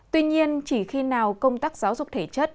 tuy nhiên chỉ khi nào công tác giáo dục thể chất